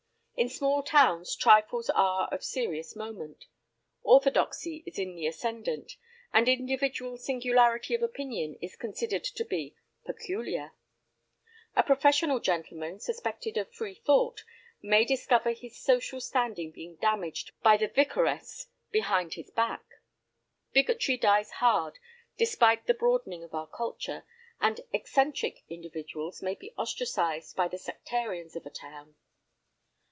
In small towns trifles are of serious moment. Orthodoxy is in the ascendant, and individual singularity of opinion is considered to be "peculiar." A professional gentleman suspected of free thought may discover his social standing being damaged by the vicaress behind his back. Bigotry dies hard despite the broadening of our culture, and "eccentric" individuals may be ostracized by the sectarians of a town.